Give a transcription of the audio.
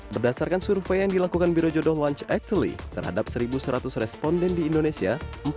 berdasarkan survei yang dilakukan biro jodoh launch actually terhadap satu seratus responden di indonesia